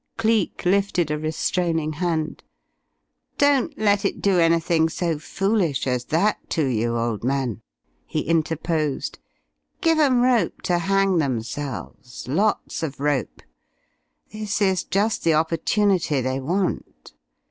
Cleek lifted a restraining hand. "Don't let it do anything so foolish as that to you, old man," he interposed. "Give 'em rope to hang themselves, lots of rope. This is just the opportunity they want.